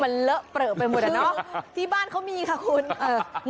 มันเลอะเปลือไปหมดอ่ะเนอะที่บ้านเขามีค่ะคุณเออ